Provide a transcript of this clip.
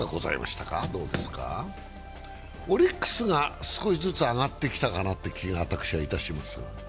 オリックスが少しずつ上がってきたかなという気がしますが。